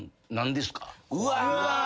うわ。